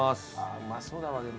うまそうだわでも。